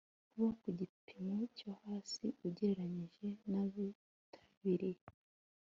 kuba ku gipimo cyo hasi ugereranyije n abitabiriye